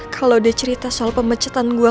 kalau dia cerita soal pemecetan gue